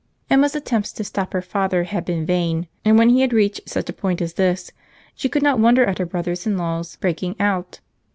Emma's attempts to stop her father had been vain; and when he had reached such a point as this, she could not wonder at her brother in law's breaking out.